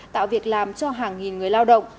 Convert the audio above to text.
tạo việc làm cho hàng nghìn người lao động